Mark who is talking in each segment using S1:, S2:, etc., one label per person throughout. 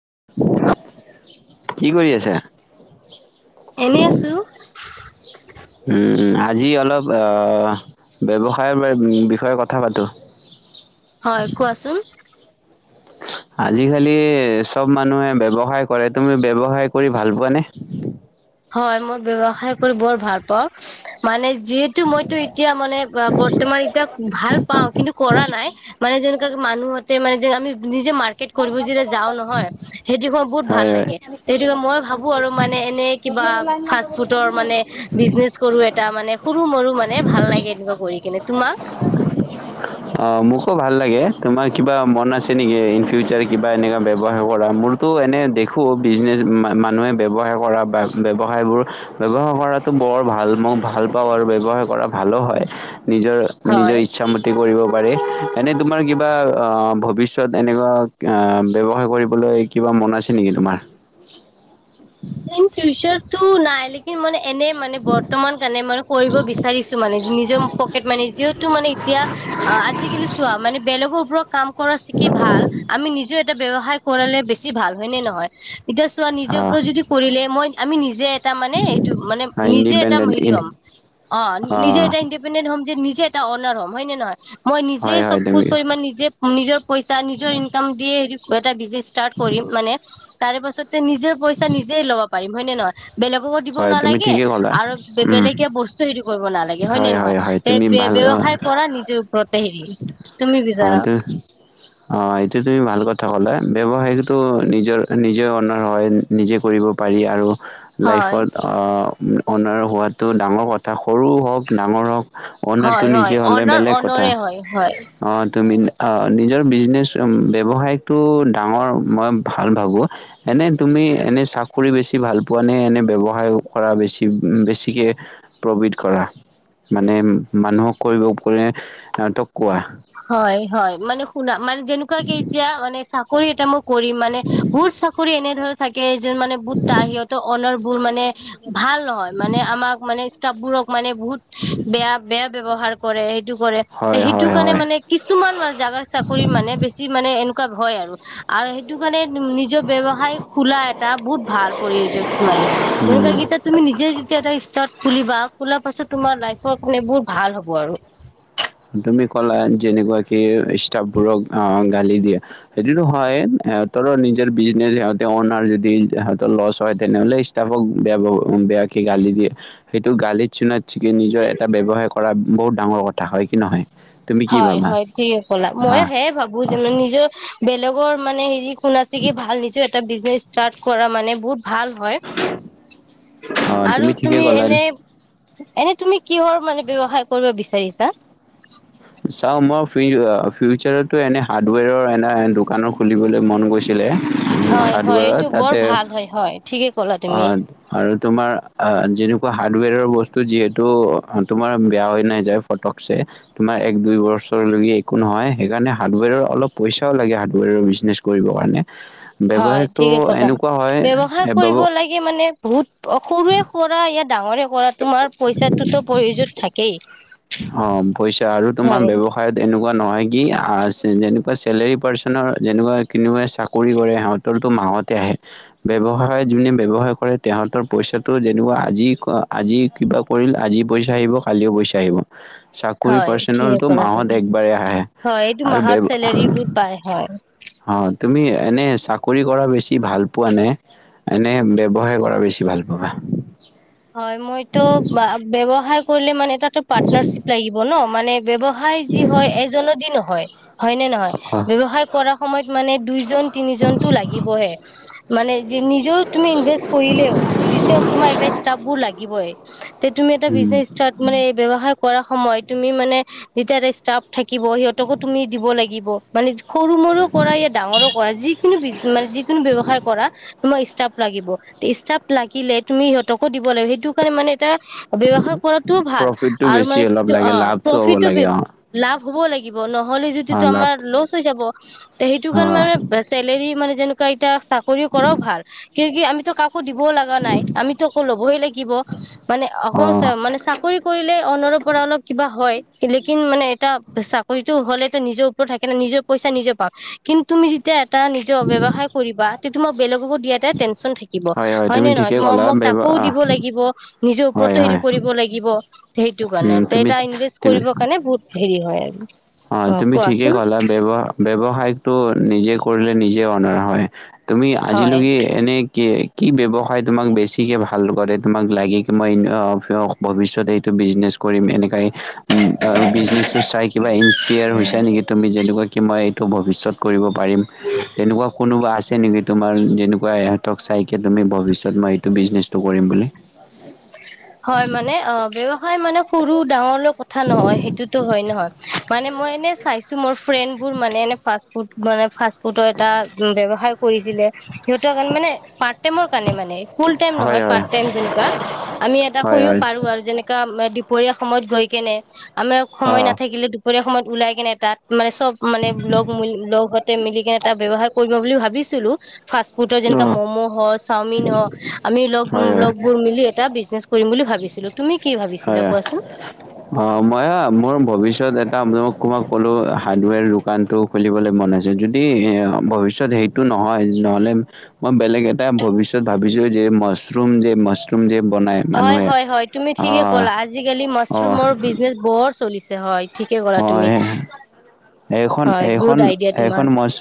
S1: [inaudible]
S2: কি কৰি আছে?
S1: এনেই আছো
S2: উম আজি অলপ আহ ব্যৱসায়ৰ বিষয়ে কথা পাতো।
S1: হয় কোৱাচোন।
S2: আজিকালি চব মানুহে ব্যৱসায় কৰে তুমি ব্যৱসায় কৰি ভাল পোৱানে?
S1: হয় মই ব্যৱসায় কৰি বহুত ভাল পাওঁ। মানে যিহেতু মইতো এতিয়া মানে বৰ্তমান এতিয়া ভাল পাওঁ কিন্তু কৰা নাই। মানে যেনেকুৱা মানুহতে মানে আমি নিজে মাৰ্কেট কৰিব যেতিয়া যাওঁ নহয়। সেইটো সময় বহুত ভাল
S2: হয়
S1: লাগে ত সেইটোকে মই ভাৱো আৰু মানে এনে কিবা ফাষ্ট ফুডৰ মানে বিজনেচ কৰো এটা মানে সৰু মৰু মানে ভাল লাগে এনেকুৱা কৰি কিনে। তোমাক?
S2: [inaudible] অ' মোকো ভাল লাগে তোমাৰ কিবা মন আছে নেকি ইন ফিউচাৰ কিবা এনেকা ব্যৱসায় কৰা তো এনে দেখো বিজনেছ মানুহে ব্যৱসায় কৰা ব্যৱসায়বোৰ ব্যৱসায় কৰাটো বৰ ভাল মই ভাল পাওঁ আৰু ব্যৱসায় কৰা ভালো হয় নিজৰ নিজৰ
S1: হয়
S2: ইচ্ছা মতে কৰিব পাৰে, এনেই তোমাৰ কিবা ভৱিষ্যত এনেকুৱা ব্যৱসায় কৰিবলৈ কিবা মন আছে নেকি তোমাৰ?
S1: ইন ফিউচাৰ তো নাই লে ই মানে এনে মানে বৰ্তমান কাৰণে মানে কৰিব বিচাৰিছো মানে নিজৰ পকেটমানি যিহেতু মানে এতিয়া আজিকালি চোৱা মানে বেলেগৰ ওপৰত কাম কৰা চিকি ভাল আমি নিজেও এটা ব্যৱসায় কৰালে বেছি ভাল হয় নে নহয়? এতিয়া চোৱা নিজৰ
S2: অ'
S1: ওপৰত যদি কৰিলে মই আমি নিজে এটা মানে সেইটো মানে নিজে এটা
S2: ইণ্ডিপেণ্ডেণ্ট
S1: হেৰি
S2: ইন
S1: হম অ' নিজে এটা ইণ্ডিপেণ্ডেন্ট হম, যে নিজে এটা অৰ্নাৰ হম হয় নে নহয়? মই নিজে
S2: হয় হয়
S1: চবকুজ
S2: তুমি
S1: কৰি মান নিজে নিজৰ পইচা নিজৰ ইনকাম দিয়ে হেৰি এটা বিজনেচ ষ্টাৰ্ট কৰিম মানে তাৰে পাছতে নিজৰ পইচা নিজে লব পাৰিম হয় নে নহয় বেলেগকো দিব
S2: হয় তুমি
S1: নালাগে
S2: ঠিকেই ক'লা।
S1: আৰু
S2: উম,
S1: বেলেগে বস্তু হেৰি কৰিব নালাগে হয় নে নহয়
S2: হয়
S1: তে
S2: তুমি ভাল
S1: ব্যৱসায় কৰা নিজৰ ওপৰতে হেৰি তুমি বিচাৰা
S2: অঁ এইটো তুমি ভাল কথা ক'লা
S1: তুমি কি
S2: ব্যৱসায় যিটো
S1: বিচাৰা
S2: নিজৰ নিজে অনাৰ হয়, নিজে কৰিব পাৰি আৰু
S1: হয়
S2: লাইফত অনাৰ হোৱাটো ডাঙৰ কথা সৰু হওক ডাঙৰ হওক। অনাৰটো
S1: হয় হয়
S2: নিজে হ'লে
S1: অনাৰ
S2: বেলেগ কথা।
S1: অনৰে হয়, হয়।
S2: অ', তুমি অ', নিজৰ বিজনেচ ব্যৱসায়টো ডাঙৰ মই ভাল ভাবোঁ। এনে তুমি এনে চাকৰি বেছি ভাল পোৱা নে, এনে ব্যৱসায় কৰা বেছি বেছিকে প্ৰভিত কৰা মানে মানুহক কৰিব [unintelligible] এহতক কোৱা?
S1: হয়, হয়, মানে শুনা মানে যেনেকুৱা কে এতিয়া মানে চা কৰি এটা মই কৰিম মানে বহুত চাকৰি এনে ধৰে থাকে এজন মানে [unintelligible] তাৰ সিহঁতৰ অনাৰবোৰ মানে ভাল নহয়, মানে আমাক মানে ষ্টাফ বোৰক মানে বহুত বেয়া বেয়া ব্যৱহাৰ কৰে সেইটো কৰে তে
S2: হয়
S1: সেইটো
S2: হয়
S1: কাৰণে
S2: হয়
S1: মানে কিছুমান মান জাগা চাকৰি মানে বেছি মানে এনেকুৱা হয় আৰু। আৰু সেইটো কাৰণে নিজৰ ব্যৱসায় খোলা এটা বহুত ভাল প্ৰয়জন মানে। সেনেকুৱা
S2: উম
S1: কিতাত তুমি নিজে যেতিয়া এটা ষ্টাৰ্ট খুলিবা খোলাৰ পাছত তোমাৰ লাইফৰ কাৰণে বহুত ভাল হ'ব আৰু।
S2: তুমি ক'লা যেনেকুৱা কি ষ্টাফ বোৰক আহ, গালি দিয়ে। সেইটো টো হয়, সিহঁতৰো নিজৰ বিজনেছ সিহঁতে অনাৰ যদি সিহঁতৰ লছ হয় তেনেহ'লে ষ্টা ষ্টাফক বেয়া বেয়াকে গালি দিয়ে। সেইটো গালিত সুনাৎসেকে নিজৰ এটা ব্যয়ৱসায় কৰা বহুত ডাঙৰ কথা হয় কি নহয়? তুমি কি
S1: হয়,
S2: ভাবা
S1: হয়, ঠিকে ক'লা মই
S2: আহ
S1: সেয়ে ভাবো
S2: অ
S1: যে মান নিজৰ বেলেগৰ মানে হেৰি শুনাছে কি ভাল নিজে এটা বিজনেচ ষ্টাৰ্ট কৰা মানে বহুত ভাল হয়।
S2: অ,
S1: আৰু
S2: ঠিকে
S1: তুমি
S2: ক'লা
S1: এনে এনে তুমি কিহৰ মানে ব্যৱসায় কৰিব বিচাৰিছা?
S2: চাও মই ফিউ অ', ফিউচাৰত টো এনে হাৰ্ডৱেৰৰ এনাহেন দোকানো খুলিবলৈ মন গৈছিলে।
S1: হয়, হয়,
S2: হাৰ্ডৱেৰৰ
S1: এইটো বৰ
S2: তাতে
S1: ভাল হয়, হয়, ঠিকে ক'লা তুমি।
S2: অ' আৰু তোমাৰ অ', যেনেকুৱা হাৰ্ডৱেৰৰ বস্তু যিহেতু তোমাৰ বেয়া হৈ নাযায়। পতকচে। তোমাৰ এক দুই বছৰলৈকে একো নহয় সেইকাৰণে হাৰ্ডৱেৰৰ অলপ পইচাও লাগে হাৰ্ডৱেৰৰ বিজনেছ কৰিবৰ কাৰণে।
S1: হয়,
S2: ব্যৱসায়টো
S1: ঠিকে ক'লা
S2: এনেকুৱা
S1: ব্যৱসায় কৰিব
S2: হয়
S1: লাগে মানে বহুত অ', সৰুৱে কৰা ইয়া ডাঙৰে কৰা। তোমাৰ পইচাটোতো প্ৰয়োজনত থাকেই
S2: অ', পইচা আৰু
S1: হয়।
S2: [unintelligible] এনেকুৱা নহয় কি আ, যে যেনেকুৱা চেলেৰী পাৰ্চনৰ যেনেকুৱা কোনবাই চাকৰি কৰে সিহঁত ৰটো মাহতে আহে। ব্যৱসায় যোনে ব্যৱসায় কৰে তেহতৰ পইচাটো যেনেকুৱা আজি আজি কিবা কৰিল আজি পইচা আহিব কালিও পইচা আহিব। চাকৰি
S1: হয়
S2: পাৰ্ষণৰ
S1: ঠিকে
S2: টো
S1: ক'লা
S2: মাহত
S1: তুমি
S2: একবাৰেই আহে,
S1: হয় এইটো
S2: আৰু
S1: মাহৰ
S2: ব্যৱসায়
S1: চেলেৰিবোৰ পাই হয়
S2: অ', তুমি এনে চাকৰি কৰা বেছি ভাল পোৱা নে এনে ব্যৱসায় কৰা বেছি ভাল পাবা?
S1: হয়, মইতো বা-ব্যৱসায় কৰিলে মানে এটাতো পাৰ্টনাৰশ্বিপ লাগিব ন' মানে ব্যৱসায় যি হয়, এজনে দি নহয় হয় নে নহয়? ব্যৱসায় কৰা সময়ত মানে দুইজন তিনিজন টো লাগিবই। মানে যে নিজেও তুমি ইনভেষ্ট কৰিলেও তেতিয়াও তোমাৰ এটা ষ্টাফ বোৰ লাগিবই। তে তুমি এটা
S2: উম,
S1: বিজনেছ ষ্টাৰ্ট মানে ব্যৱসায় কৰাৰ সময়ত তুমি মানে যেতিয়া ৰে ষ্টাফ থাকিব সিহঁতকো তুমি দিব লাগিব মানে সৰু মৰু কৰা ইয়া ডাঙৰো কৰা যিকোনো বিজ মানে যিকোনো ব্যৱসায় কৰা। তোমাৰ ষ্টাফ লাগিব, তে ষ্টাফ লাগিলে তুমি সিহঁতকো দিব লাগিব সেইটো কাৰণে মানে এটা ব্যৱসায় কৰাটোও ভাল,
S2: প্ৰফিটটো
S1: আৰু
S2: বেছি
S1: মানে
S2: অলপ
S1: অ
S2: লাগে লাভটো হ'ব
S1: প্ৰফিটো বে
S2: লাগে অ',
S1: লাভ হব লাগিব নহলে যদি তো
S2: অ', লাভ
S1: আমাৰ লচ হৈ যাব, তে সেইটো কাৰণে
S2: অ'।
S1: মানে বা চেলেৰী মানে যেনেকুৱা এতিয়া চাকৰিও কৰাও ভাল, ক্যুকি আমি ত কাক দিবও লগা নাই আমিতো দিবই লাগিব, মানে
S2: অ
S1: আকৌ চা মানে চাকৰি কৰিলে অনাৰৰ পৰা অলপ কিবা হয়, লেকিন মানে এটা চাকৰিটো হলেটো নিজৰ ওপৰত থাকে ন নিজৰ পইচা নিজে পাওঁ। কিন্তু তুমি যেতিয়া এটা নিজৰ ব্যৱসায় কৰিবা তে তোমাৰ বেলেগকো দিয়াতে টেনচন থাকিব, হয় নে
S2: তুমি
S1: নহয়?
S2: ঠিকে
S1: ম
S2: ক'লা
S1: ম তাক
S2: ব্যৱ
S1: কৌ
S2: আহ
S1: দিব লাগিব, নিজৰ
S2: হয়
S1: ওপৰতো হেৰি
S2: হয়
S1: কৰিব লাগিব। তে সেইটো
S2: উম
S1: কাৰনে, তে
S2: তুমি
S1: এটা ইনভেষ্ট কৰিবৰ কাৰণে বহুত হেৰি হয় আৰু।
S2: অঁ
S1: অ
S2: তুমি ঠিকে
S1: কোৱাচোন
S2: কলা, ব্যৱ ব্যৱসায়টো নিজে কৰিলে নিজে অনাৰ হয়। তুমি
S1: হয়
S2: আজিলৈকে এনেই কি কি ব্যৱসায় তোমাক বেছিকে ভাল কৰে তোমাক লাগে কি মই [unintelligible] ভৱিষ্যতে এইটো বিজনেচ কৰিম এনেকাই উম আ বিজনেটো চাই কিবা ইঞ্চ য়ে তুমি যেনেকুৱা কি মই এইটো ভৱিষ্যত কৰিব পাৰিম, তেনেকুৱা কোনোবা আছে নেকি তোমাৰ যেনেকুৱা ইহঁতক চাইকে তুমি ভৱিষ্যত মই এইটো বিজনেচটো কৰিম বুলি।
S1: হয়, মানে অঁ, কিয় হয় মানে সৰু, ডাঙৰলৈ কথা নহয়। সেইটোতো হয় নহয়? মানে মই এনে চাইছো মোৰ ফ্ৰেণ্ডবোৰ মানে এনে ফাষ্ট ফুড মানে ফাষ্ট ফুডৰ এটা ব্যৱসায় কৰিছিলে। সিহঁতৰ মানে পাৰ্ট টাইমৰ কাৰণে মানে ফুল টাইম
S2: হয়
S1: নহয়,
S2: হয়
S1: পাৰ্ট টাইম যেনেকুৱা আমি এটা
S2: হয়
S1: কৰিবও
S2: হয়
S1: পাৰো আৰু যেনেকা দুপৰীয়া সময়ত গৈ কেনে, আমাৰ
S2: অ
S1: সময় নাথাকিলে দু পৰীয়া সময়ত ওলাই কেনে তাত মানে চব মানে লগ, লগহঁতে মিলি কেনে এটা ব্যৱহাৰ কৰিব বুলি ভাবিছিলো। ফাষ্ট ফুডৰ
S2: অ
S1: যেনেকাে ম'ম' হ, চাওমিন হ আমি লগ,
S2: হয় হয় হয়
S1: লগবোৰ মিলি এটা বিজনেছ কৰিম বুলি ভাবিছিলো। তুমি কি
S2: হয়
S1: ভাবিছিলা কোৱাচোন?
S2: অ, মই মোৰ ভৱিষ্যত এটা [unintelligible] ক'লো হাৰ্ডৱেৰ দোকানটোক খুলিবলে মন আছে, যদি এ ভৱিষ্যত সেইটো নহয় নহ'লে মই বেলেগ এটা ভৱিষ্যত ভাবিছো যে, মছৰুম যে, মছৰুম যে বনাই
S1: হয়,
S2: মানুহে
S1: হয়, হয়, তুমি
S2: অ
S1: ঠিকে ক'লা আজিকালি
S2: অ
S1: মছৰুমৰ বিজনেচ বৰ চলিছে হয়। ঠিকে ক'লা তুমি।
S2: এখন,
S1: হয়
S2: এখন,
S1: গুড আইডিয়া তোমাৰ
S2: এখন, মচ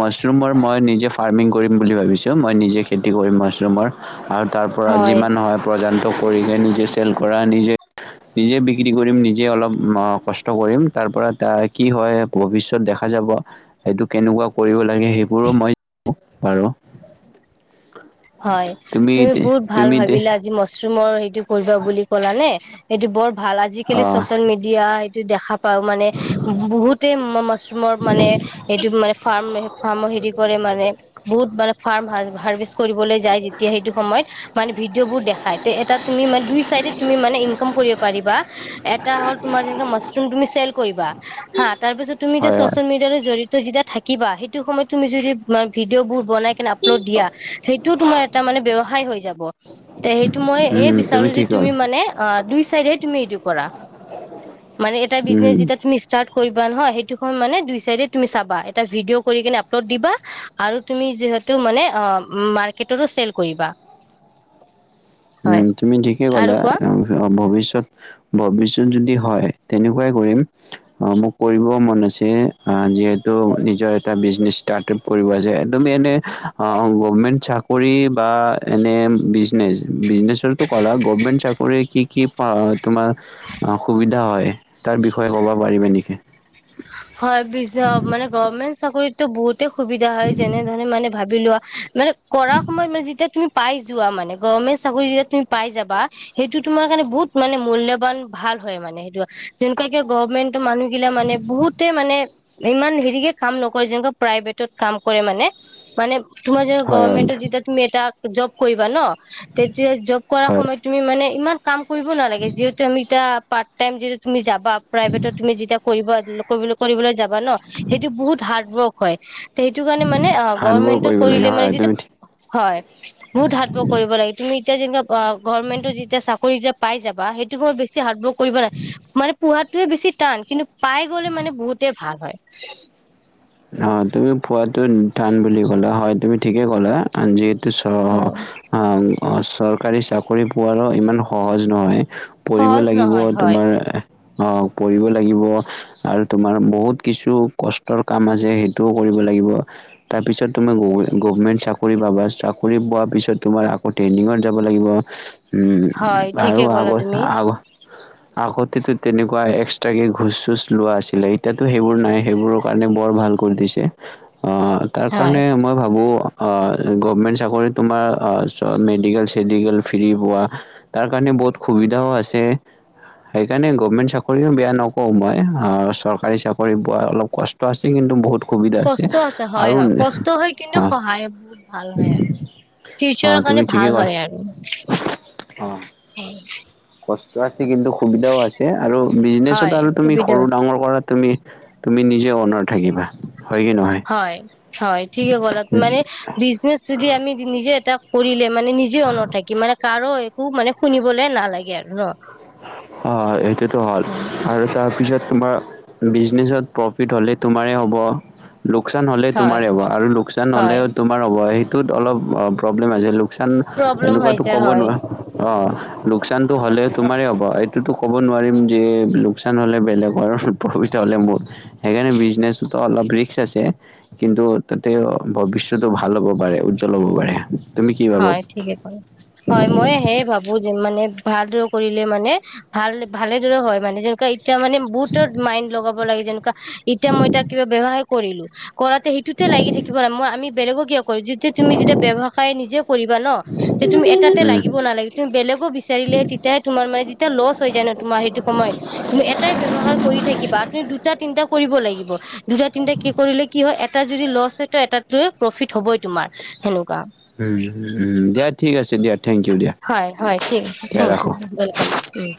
S2: মছৰুমৰ মই নিজে ফাৰ্মিং কৰিম বুলি ভাবিছো। মই নিজে খেতি কৰিম মছৰুমৰ। আৰু তাৰপৰা যিমান হয় প্ৰদান্ত কৰি, নিজে চেল কৰা, নিজে, নিজে বিক্ৰী কৰিম, নিজে অলপ অঁ কচ ত, কৰিম তাৰপৰা তা কি হয় ভৱিষ্যত দেখা যাব। এইটো কেনেকুৱা কৰিব লাগে, সেইবোৰো মই বাৰু
S1: হয়, তুমি বহুত ভাল
S2: তুমি
S1: ভাবিলা যি মছৰুমৰ সেইটো কৰিবা বুলি ক'লা নে। এইটো বৰ ভাল
S2: অ
S1: আজিকালি চচিয়েল মিডিয়া এইটো দেখা পাওঁ মানে বহুতে মছৰুমৰ মানে এইটো মানে ফাৰ্ম, ফাৰ্ম হেৰি কৰে মানে বহুত মানে ফাৰ্ম হাৰ হাৰ্ভেষ্ট কৰিবলে যায় যেতিয়া সেইটো সময় মানে ভিডিঅ বোৰ দেখাই, তে এটা তুমি মা, দুই চাইডে তুমি মানে ইনকাম কৰিব পাৰিবা, এ এটা হ'ল তোমাৰ যেনেকা মছৰুম তুমি চেল কৰিবা হা, তাৰপিছত তুমি এতিয়া
S2: হয় হয়
S1: চচিয়েল মিডিয়াটো জড়ি যেতিয়া থাকিবা সেইটো সময়ত তুমি যদি ভিডিঅ' বোৰ বনাই কেনে আপলোড দি সেইটোও তোমাৰ এটা মানে ব্যৱসায় হৈ যাব, তে সেইটো মই এই
S2: উম
S1: বিচাৰো যে
S2: ঠিক হ'ল
S1: তুমি মানে অ', দুই চাইডে তুমি এইটো কৰা, মানে এটা বিজনেছ
S2: উম
S1: যেতিয়া তুমি ষ্টাৰ্ট কৰিবা নহয়, সেইটো মানে দুই চাইডে তুমি চাবা এটা ভিডিঅ' কৰি কিনে আপলোড দিবা। আৰু তুমি যিহেতু মানে মাৰ্কটতো চেল কৰিবা। হয়
S2: উম, তুমি ঠিকেই
S1: আৰু
S2: ক'লা।
S1: কোৱা।
S2: অ', ভৱিষ্যত, ভৱিষ্যত যদি হয়, তেনেকুৱাই কৰিম। অ', মোক কৰিবও মন আছে, অ', যিহেতু নিজৰ এটা বিজনে একম এ কৰি, বা, এনে বিজনেছ, বিজনেছো ক'লা গভমেণ্ট চাকৰি কি কি তোমাৰ অ', সুবিধা হয়। তাৰ বিষয়ে ক'ব পাৰিবা নেকি?
S1: হয়, মানে গভমেন্ট চাকৰিতো বহুত সুবিধা হয়, যেনে ধৰণে মানে ভাবি লোৱা মানে কৰা সময়ত মানে যেতিয়া তুমি পাই যোৱা মানে, গভৰ্মেণ্ট চাকৰি যেতিয়া তুমি পাই যাবা। সেইটো তোমাৰ কাৰণে বহুত মানে মূল্যবান ভাল হয় মানে সেইটো যেনেকুৱা কিয় গভৰ্মেন্টৰ মানুহগিলা মানে বহুতে মানে, ইমান হেৰিকে কাম নকৰে, যেনেকুৱা প্ৰাইভেটত কাম কৰে মানে, মানে তোমাৰ যেতিয়া
S2: হয়, হয়,
S1: গভৰ্মেন্টৰ যেতিয়া তুমি এটা জব কৰিবা ন, তেতিয়া জব কৰাৰ
S2: হয়।
S1: সময়ত তুমি মানে ইমান কাম কৰিব নালাগে। যিহেতু আমি এতিয়া পাৰ্ট টাইম যিটো তুমি যাবা প্ৰাইভেটত তুমি যেতিয়া কৰিব- কৰিব, কৰিবলৈ যাবা ন। সেইটো বহুত হাৰ্ডৱৰ্ক হয়। সেইটো কাৰণে মানে অ,
S2: হাৰ্ডৱৰ্ক
S1: গভমেন্টত
S2: কৰিব লাগে
S1: কৰিলে মানে
S2: হয়
S1: যিটো
S2: তুমি ঠিক
S1: হয়। বহুত হাৰডৱৰ্ক কৰিব লাগে, তুমি এতিয়া যেনে গমেন্টত যেতিয়া চাকৰি যেতিয়া পাই যাবা সেইটোক মইছ হৰ্ কৰিব ন, মানে পোহাতোৱে বেছি টান কিন্তু পাই গ'লে মানে বহুতে ভাল হয়।
S2: অ', তুমি পোৱাতটো টান বুলি ক'লা হয় তুমি ঠিকে ক'লা। যিহেতু চ অ',
S1: হয়
S2: চৰকাৰী চাকৰি পোৱোৱাৰো ইমান সহজ নহয়, পঢ়িব
S1: সহজ
S2: লাগিব
S1: নহয় হয়
S2: তোমাৰ অ', কৰিব লাগিব। আৰু তোমাৰ বহুত কিছু কষ্টৰ কাম আছে সেইটোও কৰিব লাগিব। তাৰপিছত তুমি গভমেণ্ট চাকৰি পাবা। চাকৰি পোৱাৰ পিছত তোমাৰ আকৌ ট্ৰেইনিঙত যাব লাগিব। উম,
S1: হয়
S2: আৰু
S1: ঠিকে ক'লা
S2: আগত-
S1: তুমি
S2: আগত আগততো তেনেকুৱা এক্সট্ৰাকে ঘোচ-চোচ লোৱা আছিলে। এতিয়াতো সেইবোৰ নাই সেইবোৰক কাৰণে বৰ ভাল কৰি দিছে। অ', তাৰ
S1: হয়
S2: কাৰণে মই ভাবো অ', গভমেণ্ট চাকৰিত তোমাৰ মেডিকেল- চেডিকেল ফ্ৰী পোৱা। তাৰ কাৰণে বহুত সুবিধাও আছে। সেইকাৰণে গভমেণ্ট চাকৰিও বেয়া নকওঁঁ মই, চৰকাৰী চাকৰি পোৱা অলপ কষ্ট আছে কিন্তু বহুত
S1: কষ্ট আছে
S2: আৰু
S1: হয়- হয়, কষ্ট হয় কিন্তু
S2: অ
S1: সহায় বহুত ভাল হয়। ফিউচাৰৰ কাৰণে ভাল হয় আৰু।
S2: অঁহ।
S1: উম।
S2: কষ্ট আছে কিন্তু সুবিধাও আছে, আৰু বিজনেচত
S1: হয়
S2: আৰু তুমি
S1: সুবিধা
S2: সৰু ডাঙৰ কৰা তুমি তুমি নিজে অনাৰ থাকিবা। হয় কি নহয়?
S1: হয় হয় ঠিকে কলা মানে বিজনেছ যদি আমি নিজে এটা কৰিলে মানে নিজে অনত থাকিম মানে কাৰো একো মানে শুনিবলে নালাগে আৰু ন।
S2: অ', সেইটোতো হ'ল আৰু তাৰপিছত তোমাৰ বিজনেছত প্ৰফিট হ'লে তোমাৰে হ'ব। লোকচান হ'লে
S1: হয়
S2: তোমাৰে হ'ব আৰু লোকচান হ'লে
S1: হয়
S2: তোমাৰ হ'ব, সেইটোত অলপ প্ৰব্লেম আছে। চান
S1: প্ৰব্লেম হৈ
S2: এনেকুৱাতো
S1: যায়
S2: ক'ব
S1: হয়
S2: নোৱাৰো অঁ, লোকচানটো হ'লে তোমাৰেই হ'ব, এইটোতো ক'ব নোৱাৰিম যে লোকচান হ'লে বেলেগৰ প্ৰফ হ'লে মোৰ। সেইকাৰণে বিজনেটো ত' অলপ ৰিক্স আছে। কিন্তু তাতেও ভৱিষ্যতটো ভাল হ'ব পাৰে, উজ্জ্বল হ'ব পাৰে। তুমি কি ভাবা
S1: হয় ঠিকে কয়, হয় ময়ে সেই ভাবো। মোৰ যে মানে ভালদৰে কৰিলে মানে ভাল ভালেদৰে হয় মানে যাৰ কে এতিয়া মানে বহুতত মাইণ্ড লগাব লাগে। যেনোকা এতিয়া মই এতিয়া কিবা বেয়া হে কৰিলো। কৰাতে সেইটোতে লাগি থাকিব মানে, মই আমি বেলেগক কিয় কৰো। যেতিয়া তুমি যেতিয়া ব্যয়ৱসায় নিজে কৰিবা ন 'তে তুমি এটাতে
S2: উম
S1: লাগিব নালা তুমি বেলেগো বিচাৰিলেহে তেতিয়াহে তোমাৰা যেতিয়া লচ হৈ যায় ন' তোমাৰ সেইটো সময়ত নে এটাই ব্যৱসায় কৰি থাকিবা, তুমি দুটা তিনটা কৰিব লাগিব। দুটা তিনিটা কি কৰিলে কি হয়, এটা যদি লছ হয় ত' এটাত লৈ প্ৰফিট হ'বই তোমাৰ সেনোকোৱা
S2: হেইহে [unintelligible] দিয়া ঠিক আছে দিয়া। থেংক ইউ দিয়া
S1: হয়, হয়, ঠিক আছে।
S2: দিয়া
S1: থেংক ইউ।
S2: ৰাখোঁ
S1: ৱেলকাম, উম।